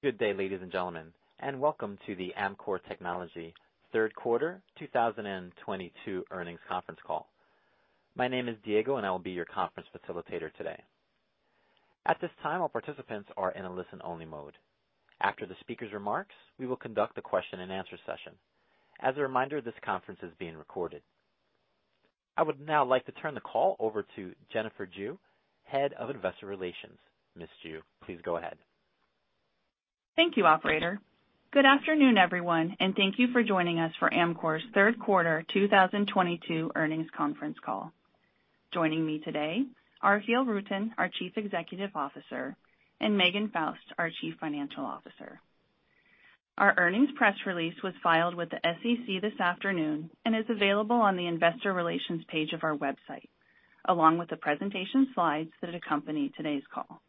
Good day, ladies and gentlemen, and welcome to the Amkor Technology Third Quarter 2022 Earnings Conference Call. My name is Diego, and I will be your conference facilitator today. At this time, all participants are in a listen-only mode. After the speaker's remarks, we will conduct a question-and-answer session. As a reminder, this conference is being recorded. I would now like to turn the call over to Jennifer Jue, Head of Investor Relations. Miss Jue, please go ahead. Thank you, operator. Good afternoon, everyone, and thank you for joining us for Amkor's Third Quarter 2022 Earnings Conference Call. Joining me today are Giel Rutten, our Chief Executive Officer, and Megan Faust, our Chief Financial Officer. Our earnings press release was filed with the SEC this afternoon and is available on the investor relations page of our website, along with the presentation slides that accompany today's call.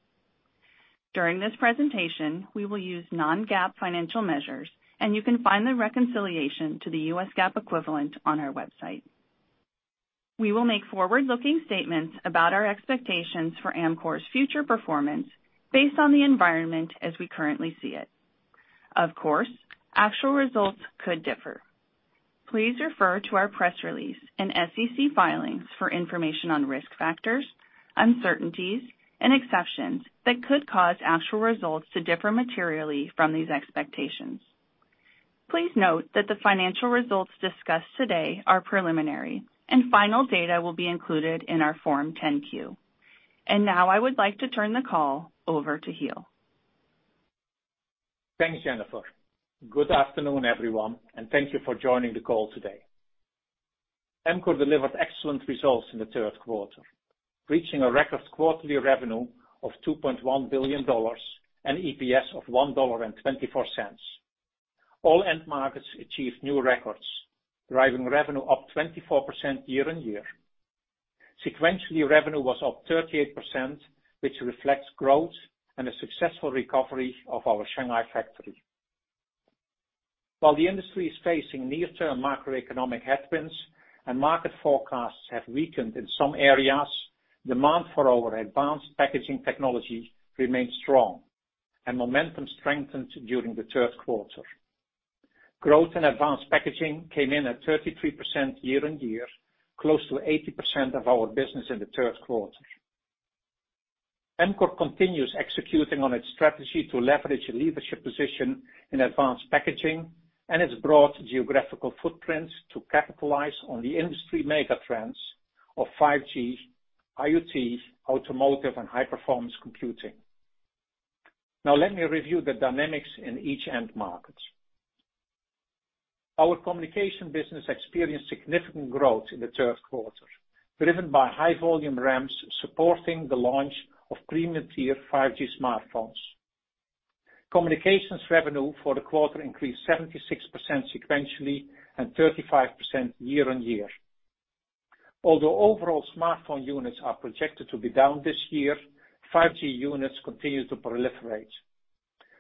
During this presentation, we will use non-GAAP financial measures, and you can find the reconciliation to the U.S. GAAP equivalent on our website. We will make forward-looking statements about our expectations for Amkor's future performance based on the environment as we currently see it. Of course, actual results could differ. Please refer to our press release and SEC filings for information on risk factors, uncertainties, and exceptions that could cause actual results to differ materially from these expectations. Please note that the financial results discussed today are preliminary and final data will be included in our Form 10-Q. Now I would like to turn the call over to Giel. Thanks, Jennifer. Good afternoon, everyone, and thank you for joining the call today. Amkor delivered excellent results in the third quarter, reaching a record quarterly revenue of $2.1 billion and EPS of $1.24. All end markets achieved new records, driving revenue up 24% year-over-year. Sequentially, revenue was up 38%, which reflects growth and a successful recovery of our Shanghai factory. While the industry is facing near-term macroeconomic headwinds and market forecasts have weakened in some areas, demand for our advanced packaging technology remains strong, and momentum strengthened during the third quarter. Growth in advanced packaging came in at 33% year-over-year, close to 80% of our business in the third quarter. Amkor continues executing on its strategy to leverage a leadership position in advanced packaging and its broad geographical footprints to capitalize on the industry mega trends of 5G, IoT, automotive, and high-performance computing. Now let me review the dynamics in each end market. Our communication business experienced significant growth in the third quarter, driven by high volume ramps supporting the launch of premium tier 5G smartphones. Communications revenue for the quarter increased 76% sequentially and 35% year-on-year. Although overall smartphone units are projected to be down this year, 5G units continue to proliferate.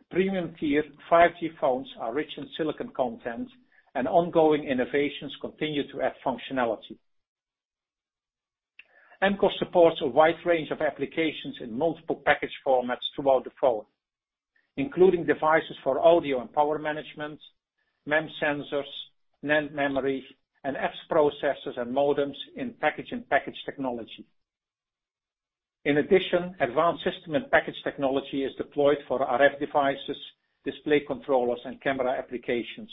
Premium tier 5G phones are rich in silicon content and ongoing innovations continue to add functionality. Amkor supports a wide range of applications in multiple package formats throughout the phone, including devices for audio and power management, MEMS sensors, NAND memory, and apps processors and modems in package and package technology. In addition, advanced system-in-package technology is deployed for RF devices, display controllers, and camera applications.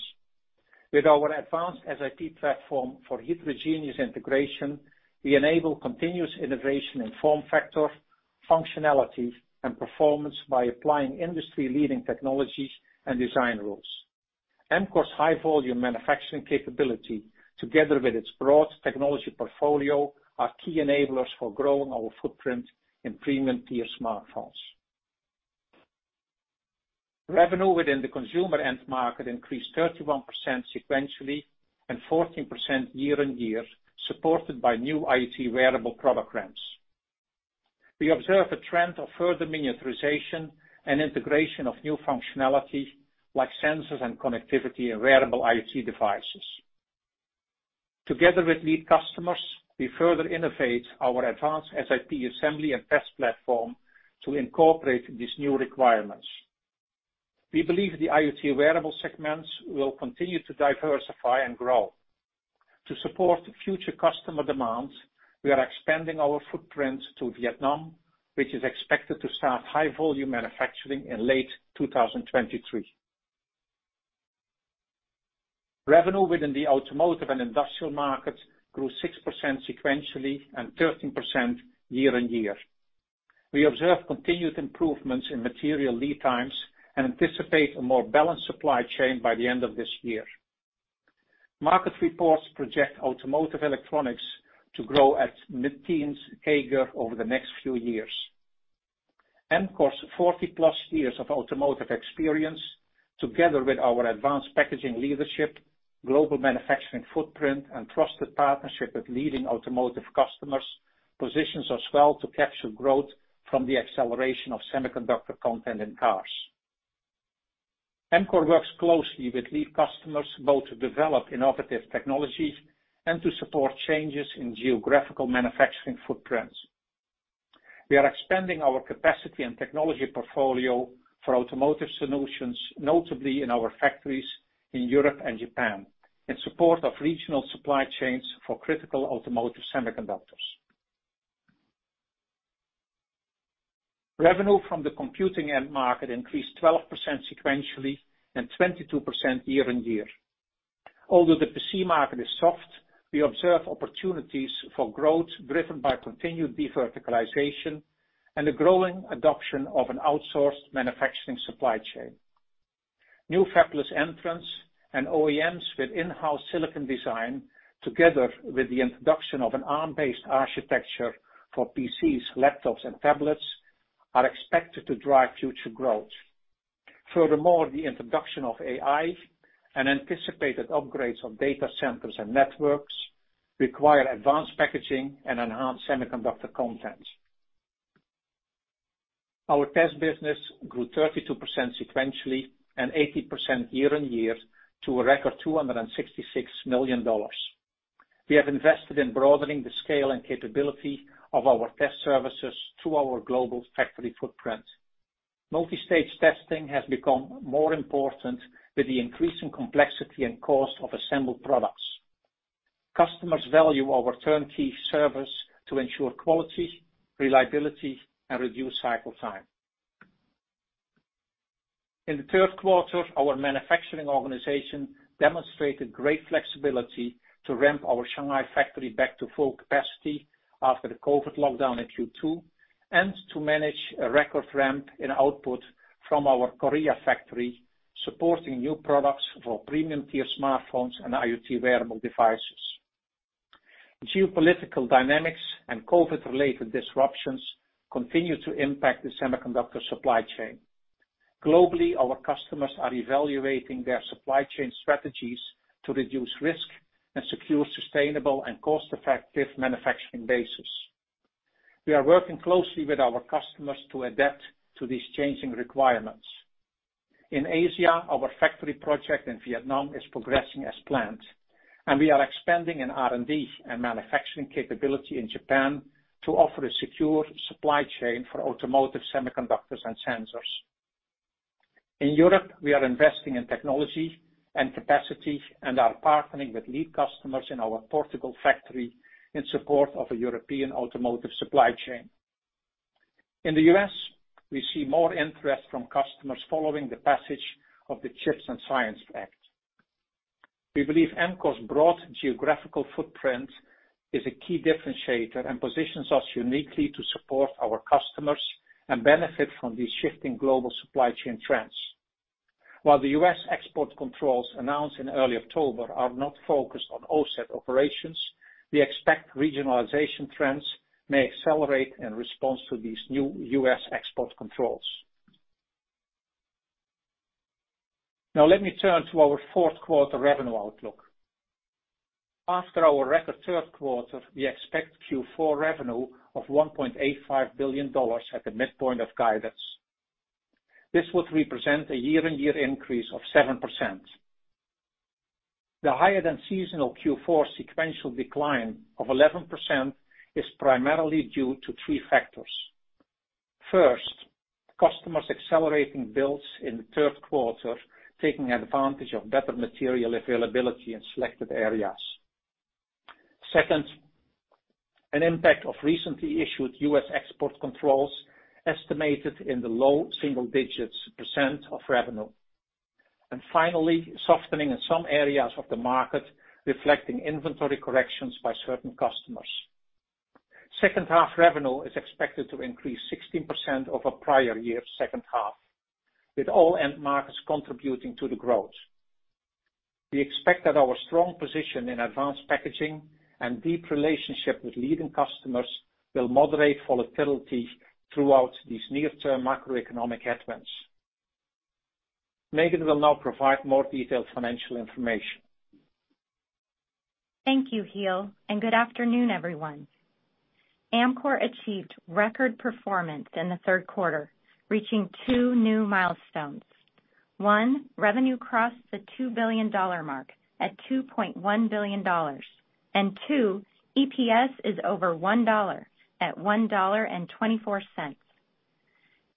With our advanced SiP platform for heterogeneous integration, we enable continuous integration in form factor, functionality, and performance by applying industry-leading technologies and design rules. Amkor's high-volume manufacturing capability, together with its broad technology portfolio, are key enablers for growing our footprint in premium-tier smartphones. Revenue within the consumer end market increased 31% sequentially and 14% year-on-year, supported by new IoT wearable product ramps. We observe a trend of further miniaturization and integration of new functionality like sensors and connectivity in wearable IoT devices. Together with lead customers, we further innovate our advanced SiP assembly and test platform to incorporate these new requirements. We believe the IoT wearable segments will continue to diversify and grow. To support future customer demands, we are expanding our footprint to Vietnam, which is expected to start high volume manufacturing in late 2023. Revenue within the automotive and industrial markets grew 6% sequentially and 13% year-over-year. We observe continued improvements in material lead times and anticipate a more balanced supply chain by the end of this year. Market reports project automotive electronics to grow at mid-teens CAGR over the next few years. Amkor's 40+ years of automotive experience, together with our advanced packaging leadership, global manufacturing footprint, and trusted partnership with leading automotive customers, positions us well to capture growth from the acceleration of semiconductor content in cars. Amkor works closely with lead customers both to develop innovative technologies and to support changes in geographical manufacturing footprints. We are expanding our capacity and technology portfolio for automotive solutions, notably in our factories in Europe and Japan, in support of regional supply chains for critical automotive semiconductors. Revenue from the computing end market increased 12% sequentially and 22% year-over-year. Although the PC market is soft, we observe opportunities for growth driven by continued deverticalization and the growing adoption of an outsourced manufacturing supply chain. New fabless entrants and OEMs with in-house silicon design together with the introduction of an ARM-based architecture for PCs, laptops, and tablets are expected to drive future growth. Furthermore, the introduction of AI and anticipated upgrades of data centers and networks require advanced packaging and enhanced semiconductor content. Our test business grew 32% sequentially and 80% year-over-year to a record $266 million. We have invested in broadening the scale and capability of our test services through our global factory footprint. Multistage testing has become more important with the increasing complexity and cost of assembled products. Customers value our turnkey service to ensure quality, reliability, and reduced cycle time. In the third quarter, our manufacturing organization demonstrated great flexibility to ramp our Shanghai factory back to full capacity after the COVID lockdown in Q2, and to manage a record ramp in output from our Korea factory, supporting new products for premium-tier smartphones and IoT wearable devices. Geopolitical dynamics and COVID-related disruptions continue to impact the semiconductor supply chain. Globally, our customers are evaluating their supply chain strategies to reduce risk and secure sustainable and cost-effective manufacturing bases. We are working closely with our customers to adapt to these changing requirements. In Asia, our factory project in Vietnam is progressing as planned, and we are expanding in R&D and manufacturing capability in Japan to offer a secure supply chain for automotive semiconductors and sensors. In Europe, we are investing in technology and capacity and are partnering with lead customers in our Portugal factory in support of a European automotive supply chain. In the U.S., we see more interest from customers following the passage of the CHIPS and Science Act. We believe Amkor's broad geographical footprint is a key differentiator and positions us uniquely to support our customers and benefit from these shifting global supply chain trends. While the U.S. export controls announced in early October are not focused on offset operations, we expect regionalization trends may accelerate in response to these new U.S. export controls. Now let me turn to our fourth quarter revenue outlook. After our record third quarter, we expect Q4 revenue of $1.85 billion at the midpoint of guidance. This would represent a year-on-year increase of 7%. The higher-than-seasonal Q4 sequential decline of 11% is primarily due to three factors. First, customers accelerating builds in the third quarter, taking advantage of better material availability in selected areas. Second, an impact of recently issued U.S. export controls estimated in the low single digits % of revenue. Finally, softening in some areas of the market reflecting inventory corrections by certain customers. Second half revenue is expected to increase 16% over prior year second half, with all end markets contributing to the growth. We expect that our strong position in advanced packaging and deep relationship with leading customers will moderate volatility throughout these near-term macroeconomic headwinds. Megan will now provide more detailed financial information. Thank you, Giel, and good afternoon, everyone. Amkor achieved record performance in the third quarter, reaching two new milestones. One, revenue crossed the $2 billion mark at $2.1 billion. Two, EPS is over $1 at $1.24.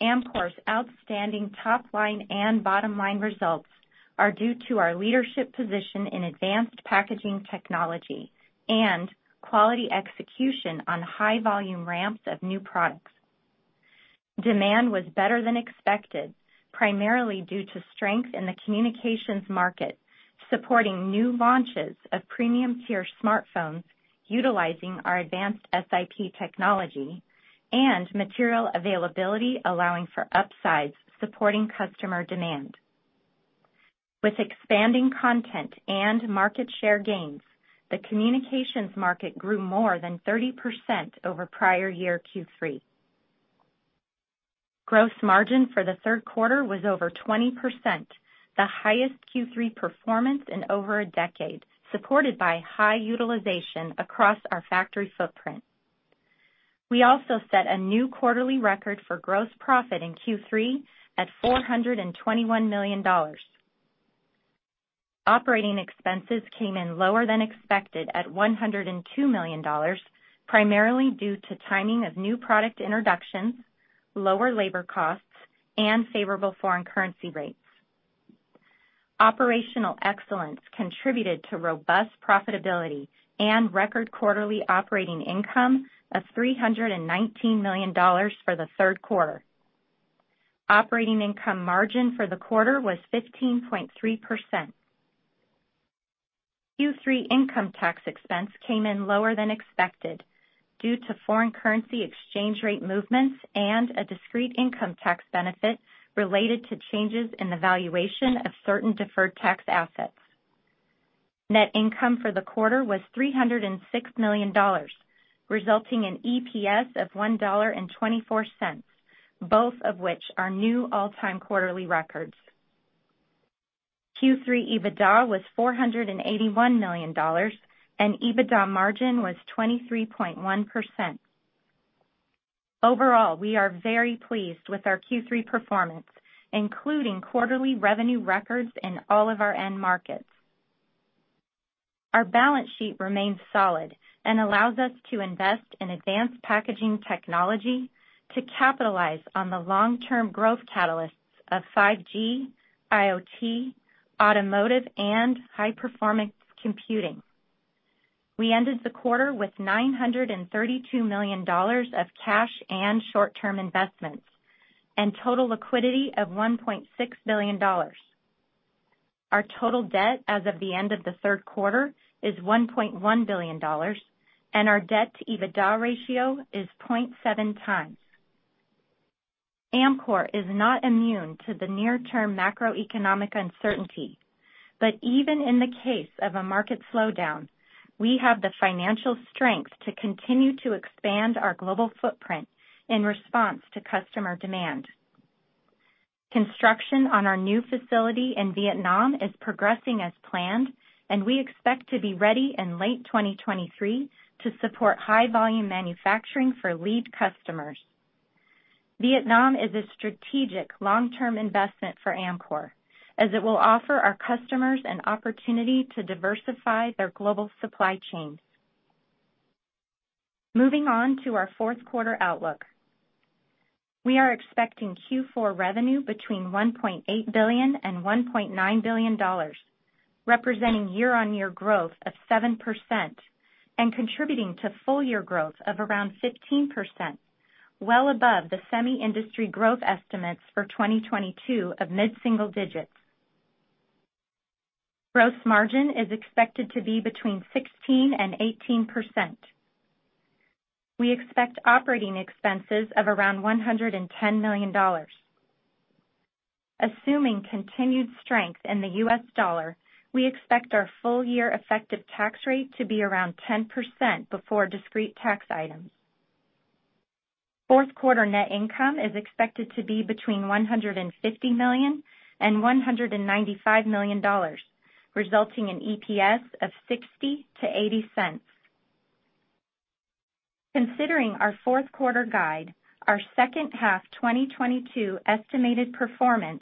Amkor's outstanding top-line and bottom-line results are due to our leadership position in advanced packaging technology and quality execution on high-volume ramps of new products. Demand was better than expected, primarily due to strength in the communications market, supporting new launches of premium-tier smartphones utilizing our advanced SiP technology and material availability, allowing for upsides supporting customer demand. With expanding content and market share gains, the communications market grew more than 30% over prior year Q3. Gross margin for the third quarter was over 20%, the highest Q3 performance in over a decade, supported by high utilization across our factory footprint. We also set a new quarterly record for gross profit in Q3 at $421 million. Operating expenses came in lower than expected at $102 million, primarily due to timing of new product introductions, lower labor costs, and favorable foreign currency rates. Operational excellence contributed to robust profitability and record quarterly operating income of $319 million for the third quarter. Operating income margin for the quarter was 15.3%. Q3 income tax expense came in lower than expected due to foreign currency exchange rate movements and a discrete income tax benefit related to changes in the valuation of certain deferred tax assets. Net income for the quarter was $306 million, resulting in EPS of $1.24, both of which are new all-time quarterly records. Q3 EBITDA was $481 million, and EBITDA margin was 23.1%. Overall, we are very pleased with our Q3 performance, including quarterly revenue records in all of our end markets. Our balance sheet remains solid and allows us to invest in advanced packaging technology to capitalize on the long-term growth catalysts of 5G, IoT, automotive, and high-performance computing. We ended the quarter with $932 million of cash and short-term investments and total liquidity of $1.6 billion. Our total debt as of the end of the third quarter is $1.1 billion, and our debt-to-EBITDA ratio is 0.7x. Amkor is not immune to the near-term macroeconomic uncertainty, but even in the case of a market slowdown, we have the financial strength to continue to expand our global footprint in response to customer demand. Construction on our new facility in Vietnam is progressing as planned, and we expect to be ready in late 2023 to support high-volume manufacturing for lead customers. Vietnam is a strategic long-term investment for Amkor, as it will offer our customers an opportunity to diversify their global supply chains. Moving on to our fourth quarter outlook. We are expecting Q4 revenue between $1.8 billion and $1.9 billion, representing year-on-year growth of 7% and contributing to full-year growth of around 15%, well above the semi industry growth estimates for 2022 of mid-single digits. Gross margin is expected to be between 16% and 18%. We expect operating expenses of around $110 million. Assuming continued strength in the US dollar, we expect our full-year effective tax rate to be around 10% before discrete tax items. Fourth quarter net income is expected to be between $150 million and $195 million, resulting in EPS of $0.60-$0.80. Considering our fourth quarter guide, our second half 2022 estimated performance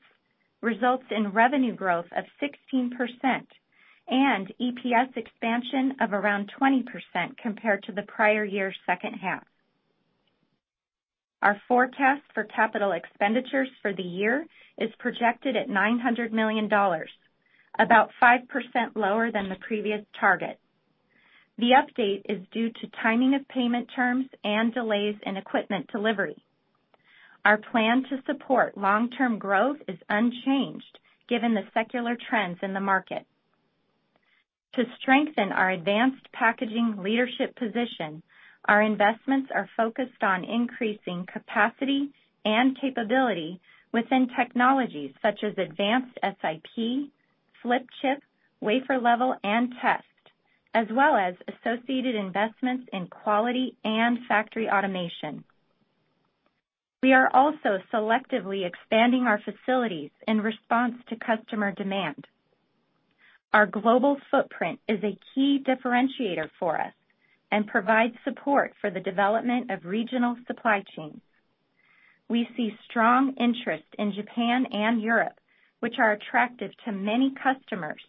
results in revenue growth of 16% and EPS expansion of around 20% compared to the prior year's second half. Our forecast for capital expenditures for the year is projected at $900 million, about 5% lower than the previous target. The update is due to timing of payment terms and delays in equipment delivery. Our plan to support long-term growth is unchanged given the secular trends in the market. To strengthen our advanced packaging leadership position, our investments are focused on increasing capacity and capability within technologies such as advanced SiP, flip chip, wafer level, and test, as well as associated investments in quality and factory automation. We are also selectively expanding our facilities in response to customer demand. Our global footprint is a key differentiator for us and provides support for the development of regional supply chains. We see strong interest in Japan and Europe, which are attractive to many customers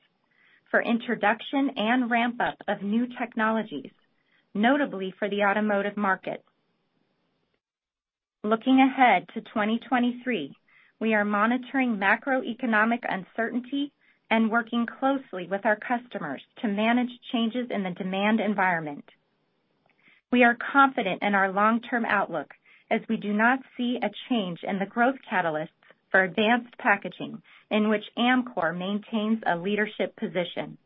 for introduction and ramp-up of new technologies, notably for the automotive market. Looking ahead to 2023, we are monitoring macroeconomic uncertainty and working closely with our customers to manage changes in the demand environment. We are confident in our long-term outlook as we do not see a change in the growth catalysts for advanced packaging in which Amkor maintains a leadership position.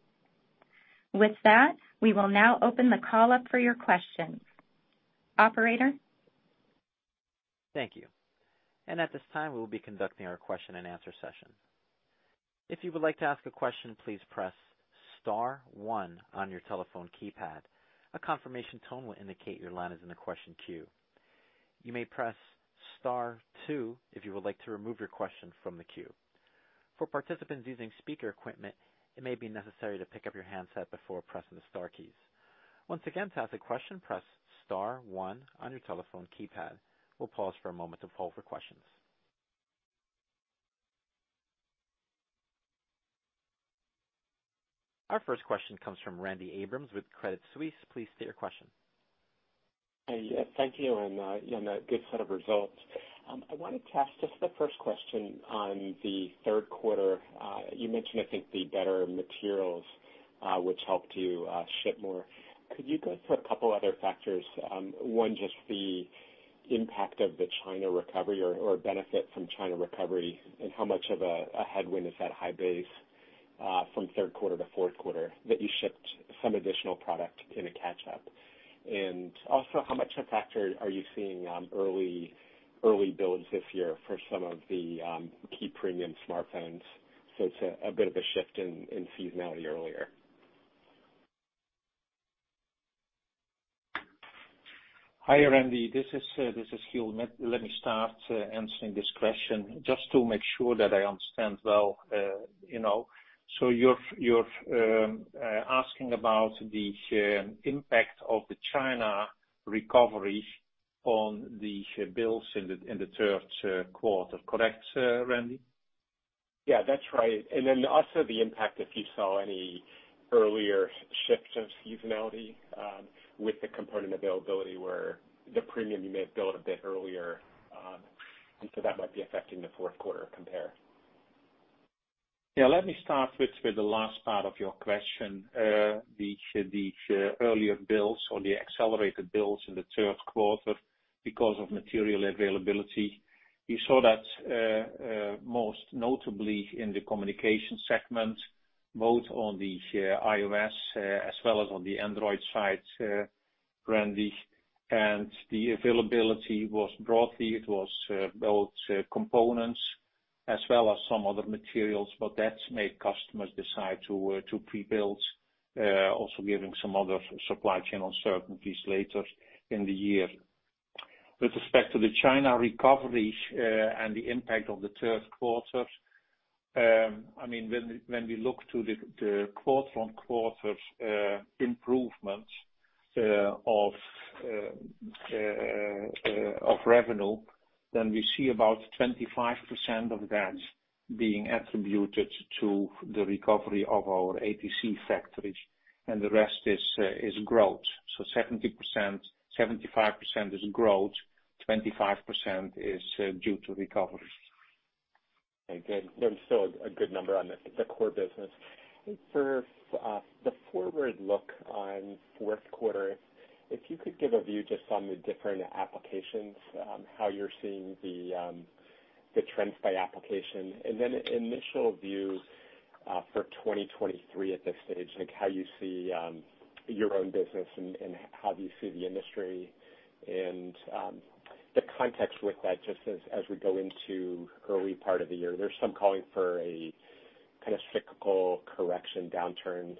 With that, we will now open the call up for your questions. Operator? Thank you. At this time, we will be conducting our question-and-answer session. If you would like to ask a question, please press star one on your telephone keypad. A confirmation tone will indicate your line is in the question queue. You may press star two if you would like to remove your question from the queue. For participants using speaker equipment, it may be necessary to pick up your handset before pressing the star keys. Once again, to ask a question, press star one on your telephone keypad. We'll pause for a moment to poll for questions. Our first question comes from Randy Abrams with Credit Suisse. Please state your question. Hi. Thank you, and, you know, good set of results. I wanted to ask just the first question on the third quarter. You mentioned, I think, the better materials, which helped you ship more. Could you go through a couple other factors? One, just the impact of the China recovery or benefit from China recovery, and how much of a headwind is that high base from third quarter to fourth quarter that you shipped some additional product in a catch-up? And also, how much a factor are you seeing early builds this year for some of the key premium smartphones? It's a bit of a shift in seasonality earlier. Hi, Randy. This is Giel. Let me start answering this question just to make sure that I understand well, you know. You're asking about the impact of the China recovery on the builds in the third quarter. Correct, Randy? Yeah, that's right. Then also the impact, if you saw any earlier shifts of seasonality, with the component availability where the premium you may have built a bit earlier, and so that might be affecting the fourth quarter compare. Yeah, let me start with the last part of your question, the earlier builds or the accelerated builds in the third quarter because of material availability. You saw that most notably in the communication segment, both on the iOS as well as on the Android side, Randy. The availability was broadly, it was both components as well as some other materials. That made customers decide to pre-build, also giving some other supply chain uncertainties later in the year. With respect to the China recovery, and the impact of the third quarter, I mean, when we look to the quarter-over-quarter improvements of revenue, then we see about 25% of that being attributed to the recovery of our APC factories, and the rest is growth. Seventy percent, 75% is growth, 25% is due to recovery. Okay. There's still a good number on the core business. I think for the forward look on fourth quarter, if you could give a view just on the different applications, how you're seeing the trends by application. Initial view for 2023 at this stage, like how you see your own business and how do you see the industry and the context with that just as we go into early part of the year. There's some calling for a kind of cyclical correction downturn.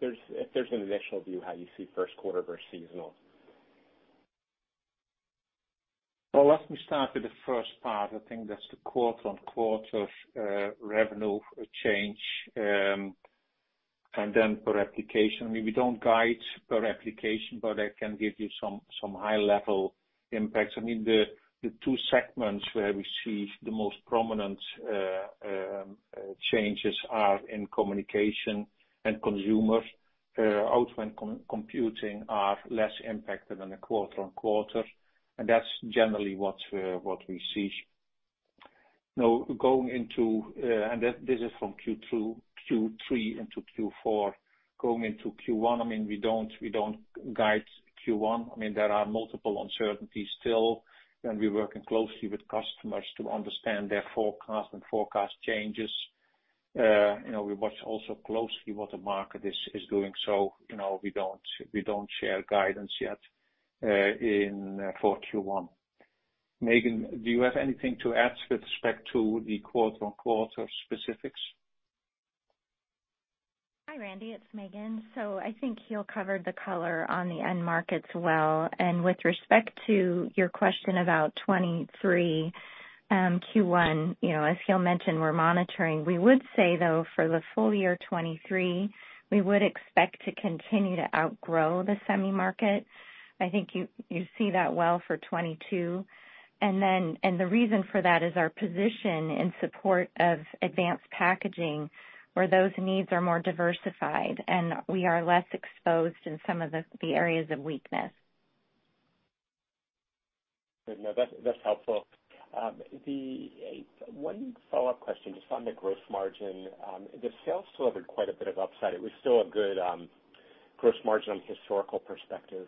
If there's an initial view how you see first quarter versus seasonal. Well, let me start with the first part. I think that's the quarter-over-quarter revenue change, and then per application. I mean, we don't guide per application, but I can give you some high level impacts. I mean, the two segments where we see the most prominent changes are in communication and consumer. Outbound computing] are less impacted on the quarter-over-quarter, and that's generally what we see. Now, this is from Q2, Q3 into Q4. Going into Q1, I mean, we don't guide Q1. I mean, there are multiple uncertainties still, and we're working closely with customers to understand their forecast and forecast changes. You know, we watch also closely what the market is doing. You know, we don't share guidance yet for Q1. Megan, do you have anything to add with respect to the quarter-on-quarter specifics? Hi, Randy. It's Megan. I think Giel covered the color on the end markets well. With respect to your question about 2023, Q1, you know, as Giel mentioned, we're monitoring. We would say, though, for the full year 2023, we would expect to continue to outgrow the semi market. I think you see that well for 2022. The reason for that is our position in support of advanced packaging, where those needs are more diversified, and we are less exposed in some of the areas of weakness. Good. No, that's helpful. One follow-up question just on the gross margin. The sales delivered quite a bit of upside. It was still a good gross margin on historical perspective.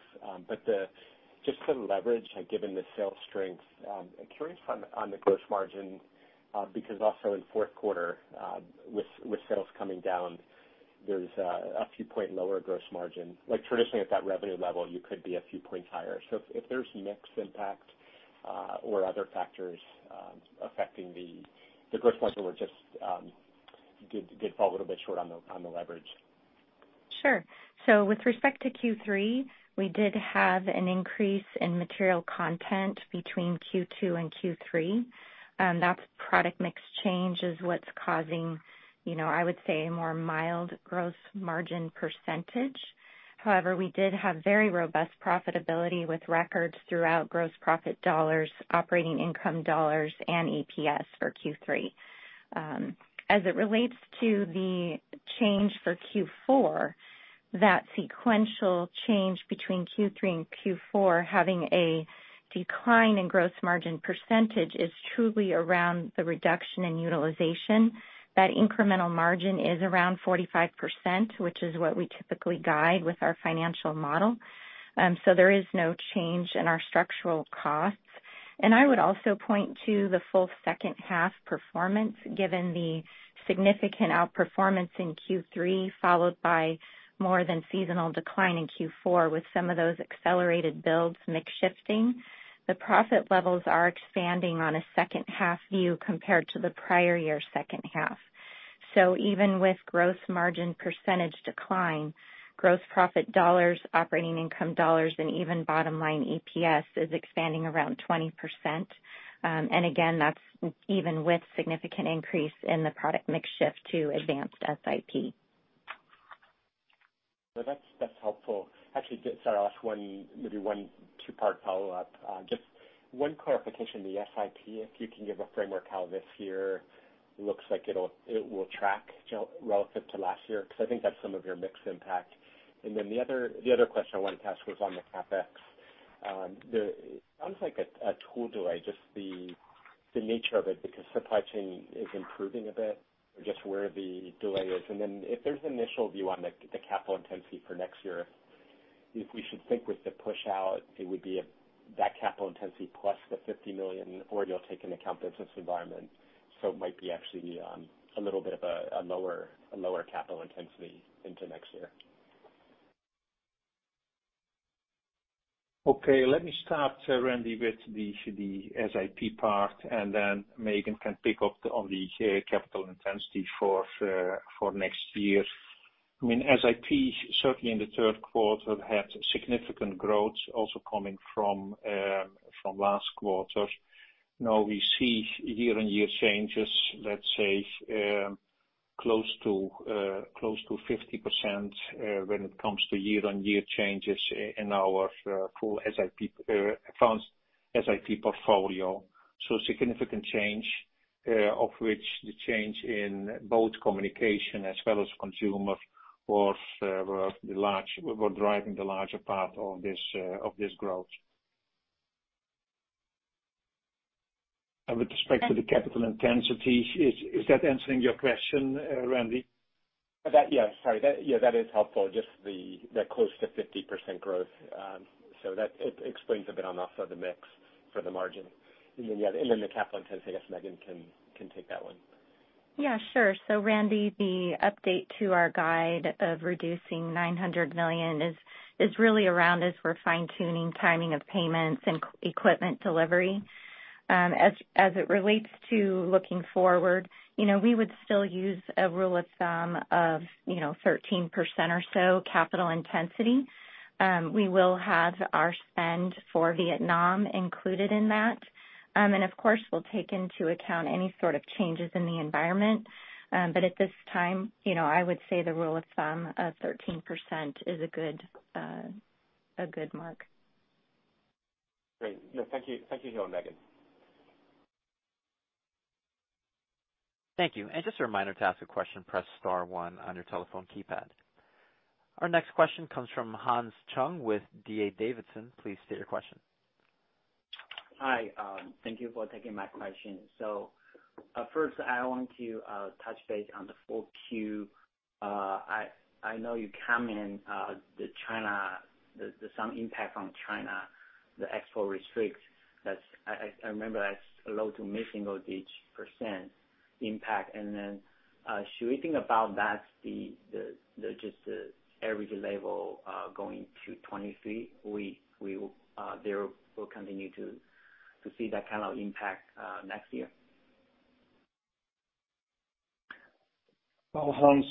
Just the leverage, like given the sales strength, I'm curious on the gross margin because also in fourth quarter, with sales coming down, there's a few point lower gross margin. Like traditionally at that revenue level, you could be a few points higher. If there's mix impact or other factors affecting the gross margin or just did fall a little bit short on the leverage. Sure. With respect to Q3, we did have an increase in material content between Q2 and Q3, and that product mix change is what's causing, you know, I would say, a more mild gross margin percentage. However, we did have very robust profitability with records throughout gross profit dollars, operating income dollars, and EPS for Q3. As it relates to the change for Q4, that sequential change between Q3 and Q4 having a decline in gross margin percentage is truly around the reduction in utilization. That incremental margin is around 45%, which is what we typically guide with our financial model. There is no change in our structural costs. I would also point to the full second half performance, given the significant outperformance in Q3, followed by more than seasonal decline in Q4 with some of those accelerated builds mix shifting. The profit levels are expanding on a second half view compared to the prior year second half. Even with gross margin percentage decline, gross profit dollars, operating income dollars, and even bottom line EPS is expanding around 20%. Even with significant increase in the product mix shift to advanced SiP. Well, that's helpful. Actually, sorry, I'll ask one two-part follow-up. Just one clarification, the SiP, if you can give a framework how this year looks like it will track relative to last year, 'cause I think that's some of your mix impact. Then the other question I wanted to ask was on the CapEx. It sounds like a tool delay, just the nature of it, because supply chain is improving a bit or just where the delay is. If there's initial view on the capital intensity for next year, if we should think with the push out, it would be that capital intensity plus the $50 million, or you'll take into account that it's this environment, so it might be actually a little bit of a lower capital intensity into next year. Okay. Let me start, Randy, with the SiP part, and then Megan can pick up on the capital intensity for next year. I mean, SiP, certainly in the third quarter, had significant growth also coming from last quarter. Now we see year-over-year changes, let's say, close to 50%, when it comes to year-over-year changes in our full SiP, advanced SiP portfolio. So significant change, of which the change in both communication as well as consumers were driving the larger part of this growth. With respect to the capital intensity, is that answering your question, Randy? That is helpful, just the close to 50% growth. So that explains a bit on also the mix for the margin. Then the capital intensity, I guess Megan can take that one. Yeah, sure. Randy, the update to our guide of reducing $900 million is really around as we're fine-tuning timing of payments and equipment delivery. As it relates to looking forward, you know, we would still use a rule of thumb of, you know, 13% or so capital intensity. We will have our spend for Vietnam included in that. And of course, we'll take into account any sort of changes in the environment. At this time, you know, I would say the rule of thumb of 13% is a good mark. Great. No, thank you. Thank you, Giel and Megan. Thank you. Just a reminder, to ask a question, press star one on your telephone keypad. Our next question comes from Hans Chung with D.A. Davidson. Please state your question. Hi. Thank you for taking my question. First I want to touch base on the full Q. I know you comment the China, some impact from China, the export restrictions. I remember that's low- to mid-single-digit % impact. Should we think about that as the just the average level going to 2023? There will continue to see that kind of impact next year? Well, Hans,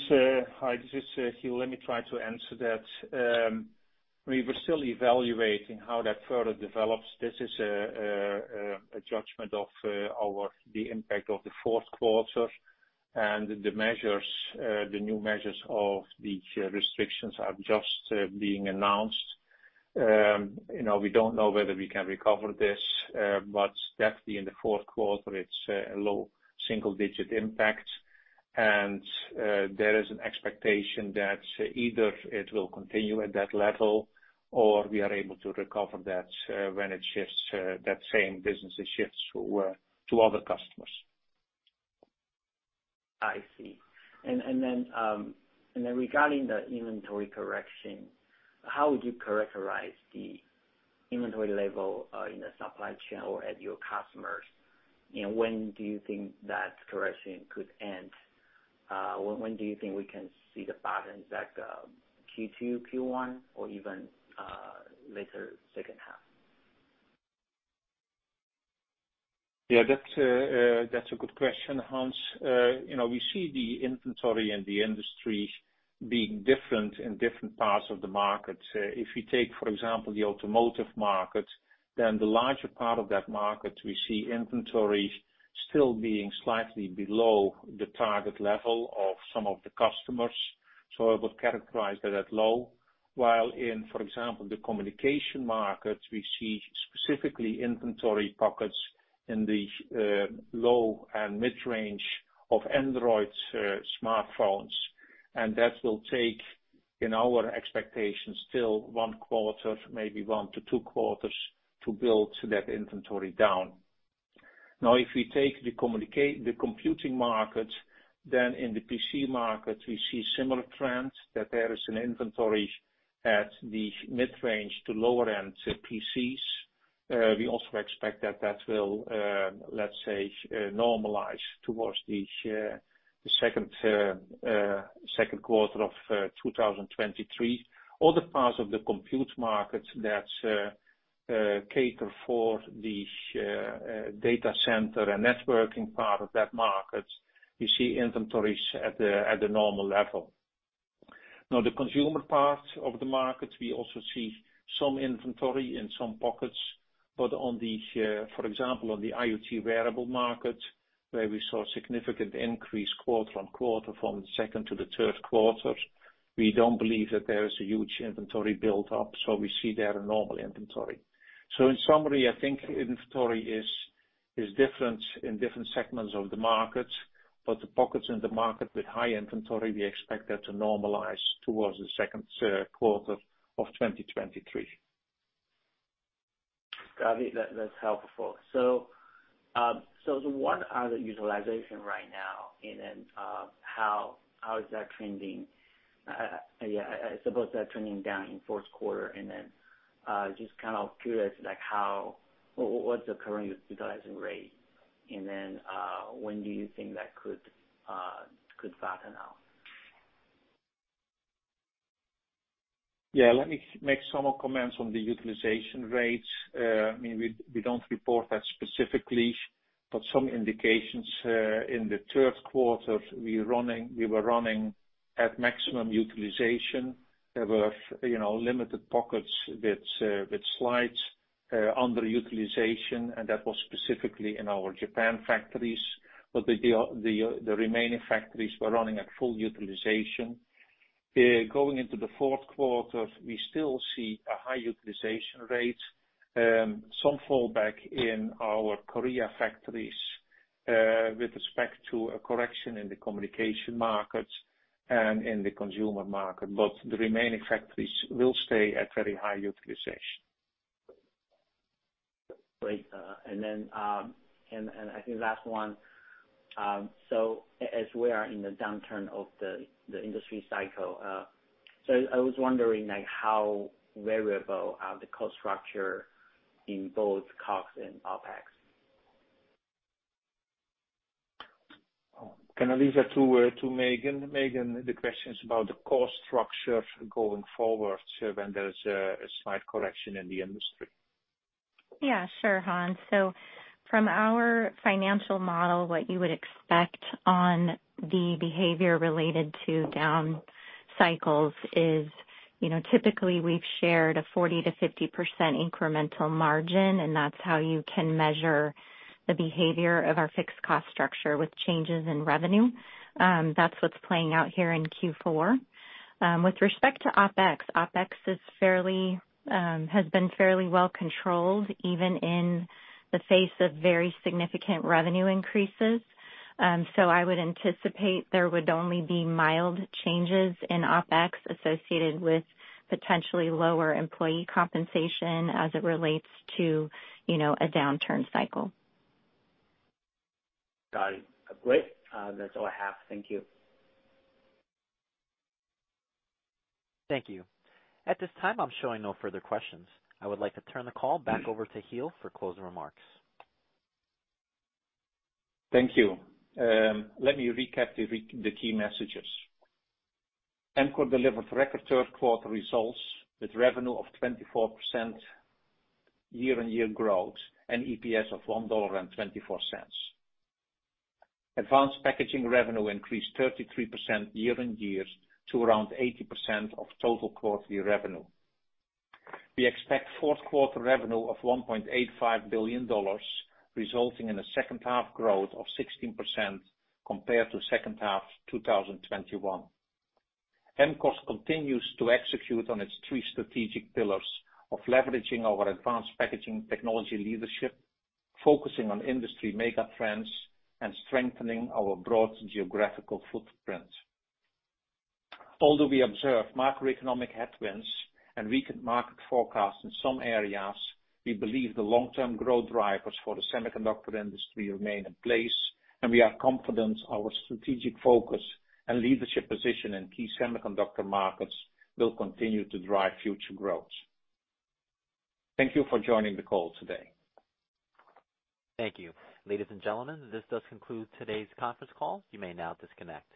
hi, this is Giel Rutten. Let me try to answer that. We were still evaluating how that further develops. This is a judgment of the impact of the fourth quarter and the measures, the new measures of the restrictions are just being announced. You know, we don't know whether we can recover this, but definitely in the fourth quarter, it's a low single digit impact. There is an expectation that either it will continue at that level or we are able to recover that when that same business shifts to other customers. I see. Regarding the inventory correction, how would you characterize the inventory level in the supply chain or at your customers? When do you think that correction could end? When do you think we can see the patterns like Q2, Q1, or even later second half? Yeah, that's a good question, Hans. You know, we see the inventory in the industry being different in different parts of the market. If you take, for example, the automotive market, then the larger part of that market, we see inventories still being slightly below the target level of some of the customers. I would characterize that as low. While in, for example, the communication market, we see specifically inventory pockets in the low and mid-range of Android smartphones. That will take, in our expectations, still one quarter, maybe one to two quarters to build that inventory down. Now, if we take the computing market, then in the PC market, we see similar trends that there is an inventory at the mid-range to lower end PCs. We also expect that will, let's say, normalize towards the second quarter of 2023. Other parts of the compute market that cater for the data center and networking part of that market, we see inventories at the normal level. Now, the consumer part of the market, we also see some inventory in some pockets. For example, on the IoT wearable market, where we saw significant increase quarter on quarter from second to the third quarter, we don't believe that there is a huge inventory built up, so we see there a normal inventory. Inventory is different in different segments of the market, but the pockets in the market with high inventory, we expect that to normalize towards the second quarter of 2023. Got it. That's helpful. What are the utilization right now, and then, how is that trending? Yeah, I suppose that's trending down in fourth quarter, and then, just kind of curious, like what's the current utilization rate? And then, when do you think that could flatten out? Yeah, let me make some more comments on the utilization rates. I mean, we don't report that specifically, but some indications in the third quarter, we were running at maximum utilization. There were, you know, limited pockets with slight underutilization, and that was specifically in our Japan factories. The remaining factories were running at full utilization. Going into the fourth quarter, we still see a high utilization rate. Some fallback in our Korea factories with respect to a correction in the communication markets and in the consumer market. The remaining factories will stay at very high utilization. Great. I think last one, so as we are in the downturn of the industry cycle, so I was wondering, like how variable are the cost structure in both COGS and OpEx? Can I leave that to Megan? Megan, the question is about the cost structure going forward, when there's a slight correction in the industry. Yeah, sure, Hans. From our financial model, what you would expect on the behavior related to down cycles is, you know, typically we've shared a 40%-50% incremental margin, and that's how you can measure the behavior of our fixed cost structure with changes in revenue. That's what's playing out here in Q4. With respect to OpEx has been fairly well controlled, even in the face of very significant revenue increases. I would anticipate there would only be mild changes in OpEx associated with potentially lower employee compensation as it relates to, you know, a downturn cycle. Got it. Great. That's all I have. Thank you. Thank you. At this time, I'm showing no further questions. I would like to turn the call back over to Giel for closing remarks. Thank you. Let me recap the key messages. Amkor delivered record third quarter results with revenue of 24% year-on-year growth and EPS of $1.24. Advanced packaging revenue increased 33% year-on-year to around 80% of total quarterly revenue. We expect fourth quarter revenue of $1.85 billion, resulting in a second half growth of 16% compared to second half 2021. Amkor continues to execute on its three strategic pillars of leveraging our advanced packaging technology leadership, focusing on industry mega trends, and strengthening our broad geographical footprint. Although we observe macroeconomic headwinds and weakened market forecasts in some areas, we believe the long-term growth drivers for the semiconductor industry remain in place, and we are confident our strategic focus and leadership position in key semiconductor markets will continue to drive future growth. Thank you for joining the call today. Thank you. Ladies and gentlemen, this does conclude today's conference call. You may now disconnect.